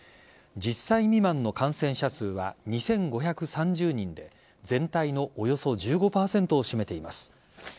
１０歳未満の感染者数は２５３０人で全体のおよそ１５％を占めています。